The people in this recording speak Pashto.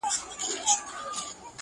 تا ويل له سره ماله تېره يم خو.